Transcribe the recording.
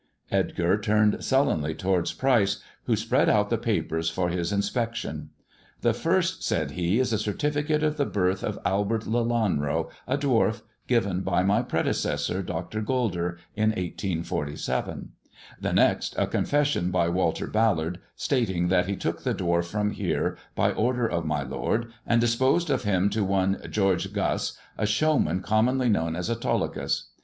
Edgar turned sullenly towards Pryce, who spread out the papers for his inspection. The first," said he, "is a certificate of the birth of Albert Lelanro, a dwarf, given by my predecessor, Dr. Gulder, in 1847. The next a con fession by Walter Ballard, stating that he took the dwarf from here by order of my lord, and disposed of him to one George Guss, a showman, commonly known as Autolycus.